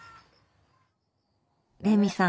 レミさん